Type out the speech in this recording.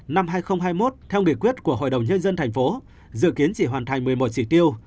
năm hai nghìn hai mươi một theo nghị quyết của hội đồng nhân dân thành phố dự kiến chỉ hoàn thành một mươi một chỉ tiêu